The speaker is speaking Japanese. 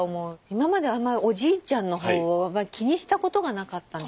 今まであんまりおじいちゃんのほうを気にしたことがなかったんです。